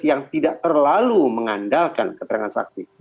yang tidak terlalu mengandalkan keterangan saksi